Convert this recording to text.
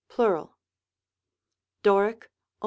(Plural.) Doric, cj.